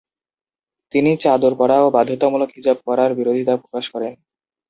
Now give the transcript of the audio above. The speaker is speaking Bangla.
তিনি চাদর পরা ও বাধ্যতামূলক হিজাব পরার বিরোধিতা প্রকাশ করেন।